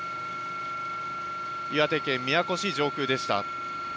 岩手県宮古市上空でした。